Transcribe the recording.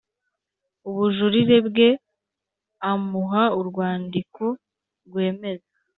ubujurire bwe Amuha urwandiko rwemeza